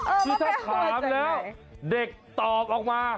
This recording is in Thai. คือถ้าถามแล้วเด็กตอกออกมา